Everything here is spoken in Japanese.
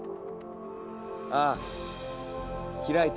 ああ開いた。